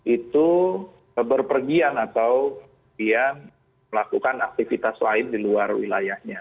itu berpergian atau dia melakukan aktivitas lain di luar wilayahnya